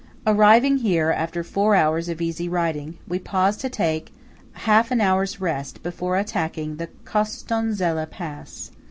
Arriving here after four hours of easy riding, we pause to take half an hour's rest before attacking the Costonzella pass.